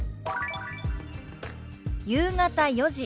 「夕方４時」。